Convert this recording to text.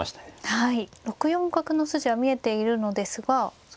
はい。